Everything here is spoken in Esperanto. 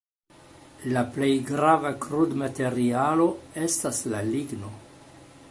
La plej grava krudmaterialo estas la ligno.